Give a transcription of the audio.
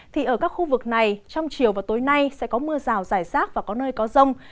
thì ở các khu vực này trong chiều và tối nay sẽ có mưa rào rải rác và có nơi có rông